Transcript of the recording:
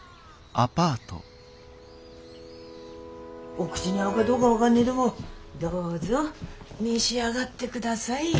お口に合うかどうが分がんねどもどうぞ召し上がってください。